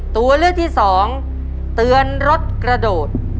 ตัวเลือกที่สองเตือนรถกระโดด